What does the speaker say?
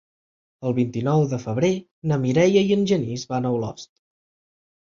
El vint-i-nou de febrer na Mireia i en Genís van a Olost.